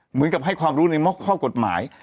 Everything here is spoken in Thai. เหมือนกับให้ความรู้ในข้อกฎหมาย